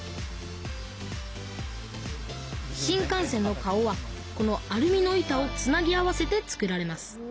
新幹線の顔はこのアルミの板をつなぎ合わせて作られます